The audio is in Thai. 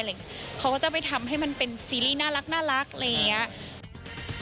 เพราะว่าจะไปทำให้มันเป็นซีรีส์น่ารักเลยอ่ะ